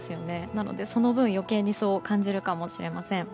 なのでその分、余計にそう感じるかもしれません。